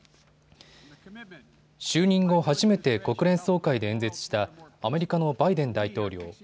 就任後初めて国連総会で演説したアメリカのバイデン大統領。